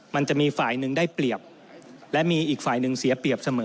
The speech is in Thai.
มันจะมีฝ่ายหนึ่งได้เปรียบและมีอีกฝ่ายหนึ่งเสียเปรียบเสมอ